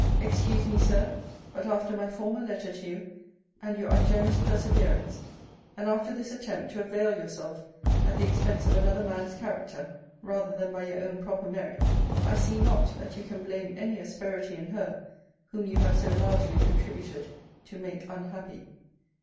Excuse me, Sir: but, after my former letter to you, and your ungenerous perseverance; and after this attempt to avail yourself at the expense of another man's character, rather than by your own proper merit; I see not that you can blame any asperity in her, whom you have so largely contributed to make unhappy.